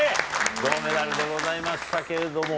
銅メダルでございましたけれども。